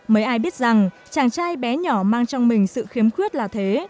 mấy ai biết rằng chàng trai bé nhỏ mang trong mình sự khiếm khuyết là thế